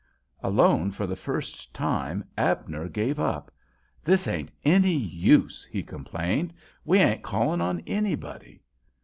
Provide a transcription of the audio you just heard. Alone for the first time, Abner gave up. "This ain't any use," he complained. "We ain't calling on anybody."